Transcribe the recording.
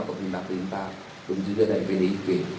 atau pimpinan pimpinan pun juga dari bdip